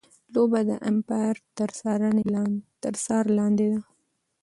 لوبه د ایمپایر تر څار لاندي ده.